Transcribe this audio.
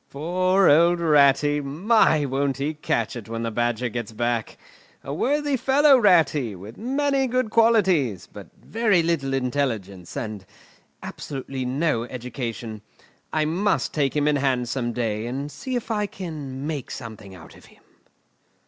Poor old Ratty! My! won't he catch it when the Badger gets back! A worthy fellow, Ratty, with many good qualities, but very little intelligence and absolutely no education. I must take him in hand some day, and see if I can make something of him."